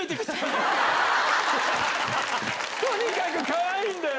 とにかくかわいいんだよ。